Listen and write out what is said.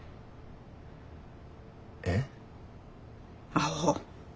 アホ。